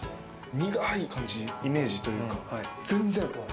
苦い感じ、イメージというか全然。